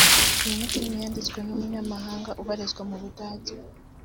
Iyi ni Filmi yanditswe n’umunyamahanga ubarizwa mu Budage